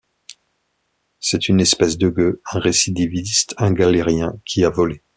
C’est une espèce de gueux, un récidiviste, un galérien, qui a volé.